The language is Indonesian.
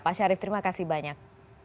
pak syarif terima kasih banyak